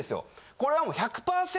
これはもう１００％